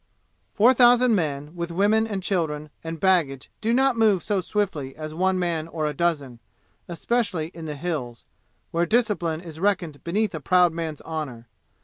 Four thousand men with women and children and baggage do not move so swiftly as one man or a dozen, especially in the "Hills," where discipline is reckoned beneath a proud man's honor.